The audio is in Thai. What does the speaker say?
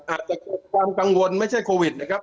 อาจจะเกิดความกังวลไม่ใช่โควิดนะครับ